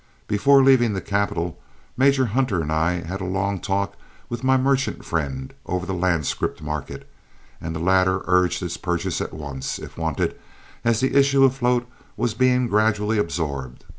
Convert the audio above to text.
Before leaving the capital, Major Hunter and I had a long talk with my merchant friend over the land scrip market, and the latter urged its purchase at once, if wanted, as the issue afloat was being gradually absorbed.